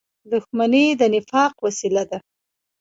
• دښمني د نفاق وسیله ده.